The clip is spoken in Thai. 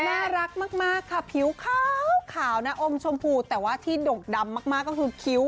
น่ารักมากค่ะผิวขาวนะอมชมพูแต่ว่าที่ดกดำมากก็คือคิ้ว